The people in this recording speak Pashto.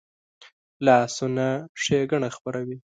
لاسونه ښېګڼه خپروي